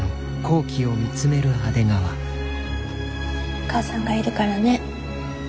お母さんがいるからね。